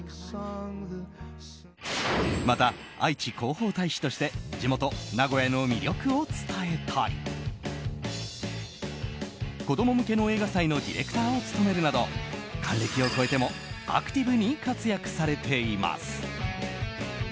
また、あいち広報大使として地元・名古屋の魅力を伝えたり子供向けの映画祭のディレクターを務めるなど還暦を超えてもアクティブに活躍されています。